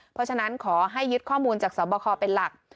เพราะฉะนั้นขอให้ยึดข้อมูลจากสอบคอเป็นหลัก